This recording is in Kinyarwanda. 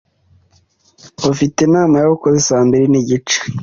Ufite inama y'abakozi saa mbiri n'igice.